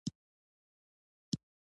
پلار مې وفات شوی، خدای دې جنتونه ورکړي